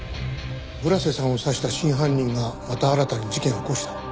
村瀬さんを刺した真犯人がまた新たに事件を起こした？